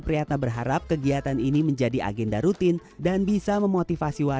kegiatan bertajuk jakarta cinta quran yang diinisiasi badan amil zakat nasional provinsi dki jakarta atau basnas